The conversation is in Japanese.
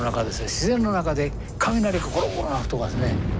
自然の中で雷がゴロゴロ鳴るとかですね